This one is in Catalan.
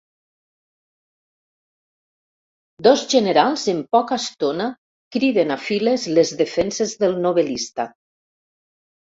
Dos generals en poca estona criden a files les defenses del novel·lista.